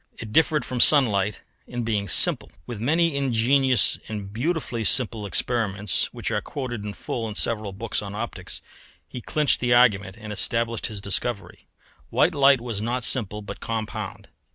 It differed from sunlight in being simple. With many ingenious and beautifully simple experiments, which are quoted in full in several books on optics, he clinched the argument and established his discovery. White light was not simple but compound.